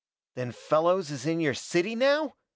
"Then Fellows is in your city now?"